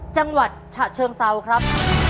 จังหวัดฉะเชิงเซาครับ